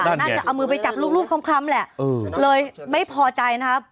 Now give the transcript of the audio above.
น่าจะเอามือไปจับลูกคล้ำแหละเลยไม่พอใจนะครับ